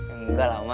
enggak lah ma